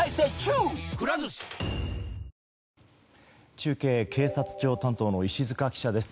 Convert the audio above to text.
中継、警察庁担当の石塚記者です。